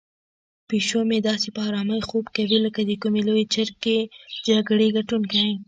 پیشو مې داسې په آرامۍ خوب کوي لکه د کومې لویې جګړې ګټونکی.